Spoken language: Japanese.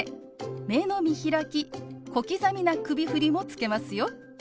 目の見開き小刻みな首振りもつけますよ。